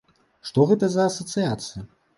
Што гэта за асацыяцыя?